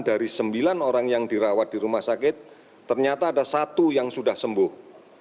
dari sembilan orang yang dirawat di rumah sakit ternyata ada satu yang sudah sembuh